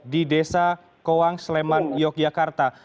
di desa kowang sleman yogyakarta